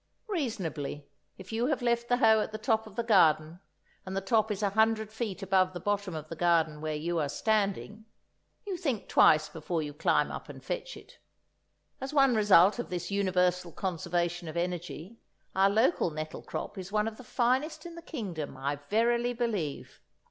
Reasonably, if you have left the hoe at the top of the garden, and the top is a hundred feet above the bottom of the garden where you are standing, you think twice before you climb up and fetch it. As one result of this universal conservation of energy, our local nettle crop is one of the finest in the kingdom, I verily believe.